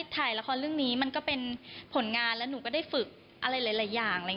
ถ่ายละครเรื่องนี้มันก็เป็นผลงานแล้วหนูก็ได้ฝึกอะไรหลายอย่าง